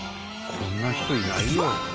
こんな人いないよ。